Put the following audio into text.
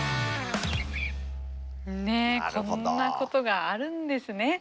ねえこんなことがあるんですね。